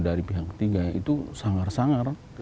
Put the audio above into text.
dari pihak ketiga itu sanggar sangar